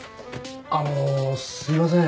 あのすいません